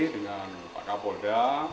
dengan pak kapolda